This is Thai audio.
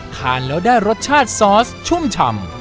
ทานแล้วได้รสชาติซอสชุ่มฉ่ำ